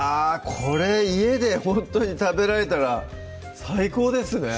これ家でほんとに食べられたら最高ですね